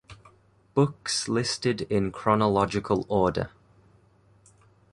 Books listed in chronological order.